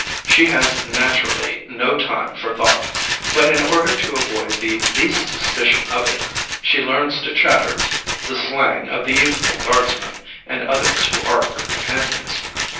She has naturally no time for thought, but in order to avoid the least suspicion of it, she learns to chatter the slang of the youthful Guardsmen and others who are her companions.